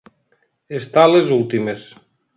Estar a les últimes.